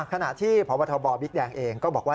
ขณะที่พบทบบิ๊กแดงเองก็บอกว่า